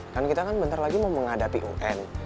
dan kita kan bentar lagi mau menghadapi un